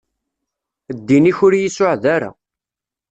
Ddin-ik ur iyi-suɛed ara.